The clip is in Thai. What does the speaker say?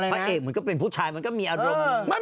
พระเอกมันก็เป็นผู้ชายมันก็มีอารมณ์